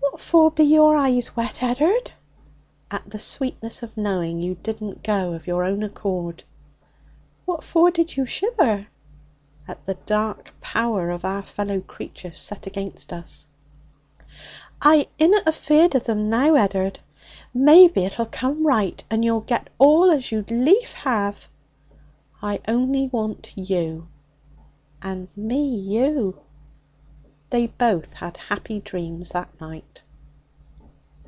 'What for be your eyes wet, Ed'ard?' 'At the sweetness of knowing you didn't go of your own accord.' 'What for did you shiver?' 'At the dark power of our fellow creatures set against us.' 'I inna feared of 'em now, Ed'ard. Maybe it'll come right, and you'll get all as you'd lief have.' 'I only want you.' 'And me you.' They both had happy dreams that night.